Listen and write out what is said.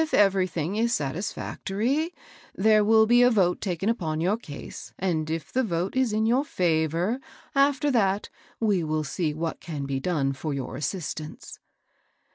everything is satisfactory, there will be a vote taken upon your case, and if the vote is in your favor, after that, we will see what can be done for your assistance."